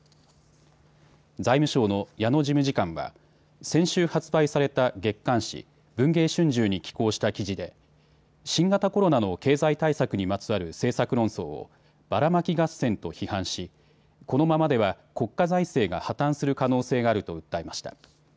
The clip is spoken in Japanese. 財務省の矢野事務次官は先週発売された月刊誌、文藝春秋に寄稿した記事で新型コロナの経済対策にまつわる政策論争をバラマキ合戦と批判しこのままでは国家財政が破綻する可能性があると訴えました。